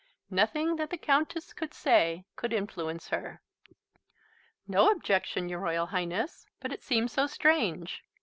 Nothing that the Countess could say could influence her. "No objection, your Royal Highness; but it seems so strange.